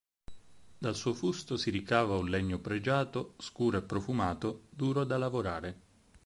Dal suo fusto si ricava un legno pregiato, scuro e profumato, duro da lavorare.